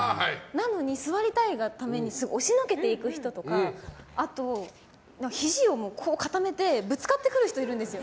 なのに座りたいがために押しのけていく人とかあと、ひじを固めてぶつかってくる人いるんですよ。